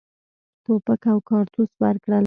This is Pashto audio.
توپک او کارتوس ورکړل.